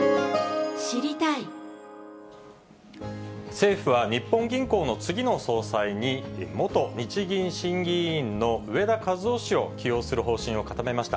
政府は日本銀行の次の総裁に、元日銀審議委員の植田和男氏を起用する方針を固めました。